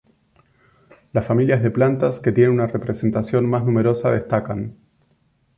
Las familias de plantas que tienen una representación más numerosa destacan,